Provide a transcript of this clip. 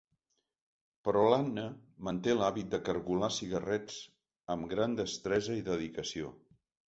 Però l'Anna manté l'hàbit de cargolar cigarrets amb gran destresa i dedicació.